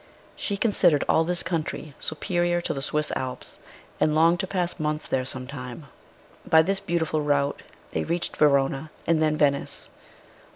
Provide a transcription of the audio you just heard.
She considered all this country superior to the Swiss Alps, and longed to pass months there some time. By this beautiful route they reached Verona, and then Venice.